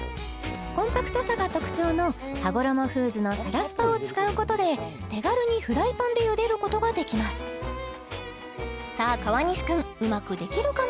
コンパクトさが特徴のはごろもフーズのサラスパを使うことで手軽にフライパンでゆでることができますさあ川西くんうまくできるかな？